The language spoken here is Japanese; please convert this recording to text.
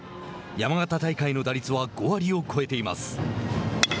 山形大会の打率は５割を超えています。